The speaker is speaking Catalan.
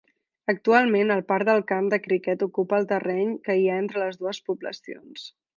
Actualment, el parc del camp de criquet ocupa el terreny que hi ha entre les dues poblacions.